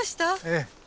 ええ。